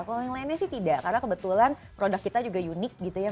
kalau yang lainnya sih tidak karena kebetulan produk kita juga unik gitu ya